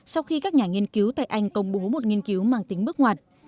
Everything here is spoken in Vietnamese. sau khi các nhà nghiên cứu tại anh công bố một nghiên cứu mang tính bước ngoặt